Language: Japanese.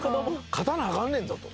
勝たなアカンねんぞと。